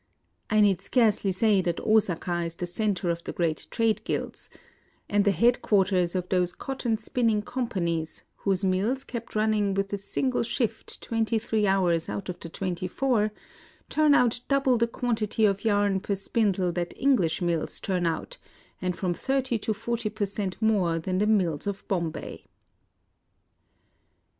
I need scarcely say that Osaka is the centre of the great trade guilds,^ and the headquarters of those cotton spinning companies whose mills, kept running with a single shift twenty three hours out of the twenty four, turn out double the quantity of yarn per spindle that English mills turn out, and from thirty to forty per cent, more than the mills of Bombay.